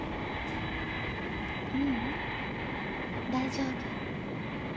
ううん大丈夫。